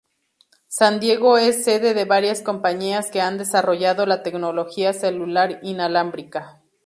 San Diego es sede de varias compañías que han desarrollado la tecnología celular inalámbrica.